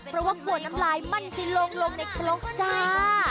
เพราะว่ากลัวน้ำลายมั่นสิลงลงในครกจ้า